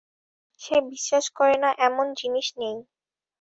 সে বিশ্বাস করে না এমন জিনিস নেই।